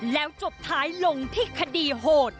แล้วจบท้ายลงที่คดีโหด